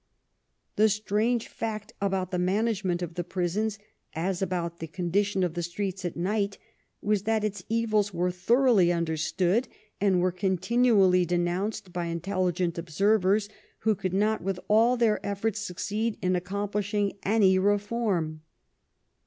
The strange fact about the management of the prisons, as about the condition of the streets at night, was that its evils were thoroughly understood, and were con tinually denounced by intelligent observers who could not, with all their efforts, succeed in accomplishing any reform.